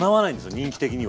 人気的には。